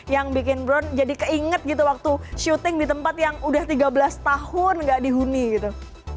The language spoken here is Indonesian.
yang bikin bron jadi keinget gitu waktu syuting di tempat yang udah tiga belas tahun nggak dihuni gitu